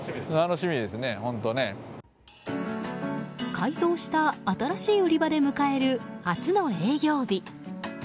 改造した新しい売り場で迎える初の営業日。